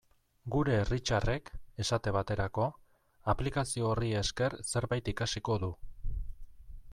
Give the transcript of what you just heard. Gure Richardek, esate baterako, aplikazio horri esker zerbait ikasiko du.